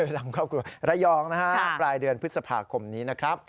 ทำข้อบคุณระยองนะฮะปลายเดือนพฤษภาคมนี้นะครับ